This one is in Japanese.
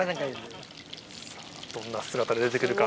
さぁどんな姿で出て来るか？